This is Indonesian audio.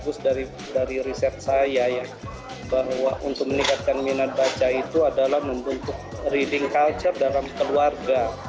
yang paling bagus dari riset saya bahwa untuk meningkatkan minat baca itu adalah membentuk reading culture dalam keluarga